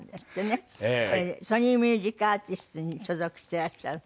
ソニー・ミュージックアーティスツに所属していらっしゃる。